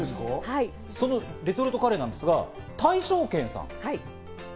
そのレトルトカレーなんですが、大勝軒さん。